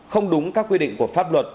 không đúng các quy định của pháp luật